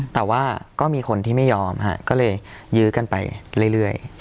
แต่ว่าก็มีคนที่ไม่ยอมก็เลยยื้อกันไปเรื่อย